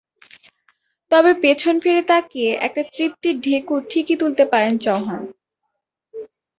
তবে পেছন ফিরে তাকিয়ে একটা তৃপ্তির ঢেঁকুর ঠিকই তুলতে পারেন চৌহান।